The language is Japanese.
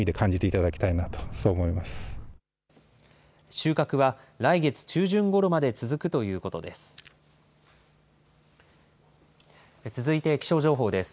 収穫は来月中旬ごろまで続くということです。